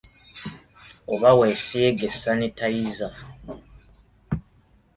Oba weesiige sanitayiza.